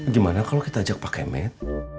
gimana kalo kita ajak pak kemet